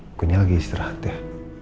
aku ini lagi istirahat ya